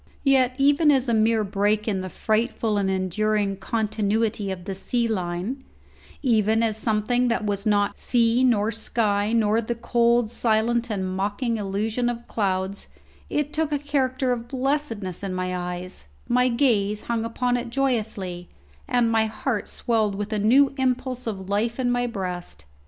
Yet even as a mere break in the frightful and enduring continuity of the sea line even as something that was not sea nor sky nor the cold silent and mocking illusion of clouds it took a character of blessedness in my eyes; my gaze hung upon it joyously, and my heart swelled with a new impulse of life in my breast.